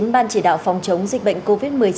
ban chỉ đạo phòng chống dịch bệnh covid một mươi chín